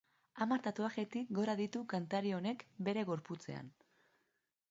Hamar tatuajetik gora ditu kantari honek bere gorputzean.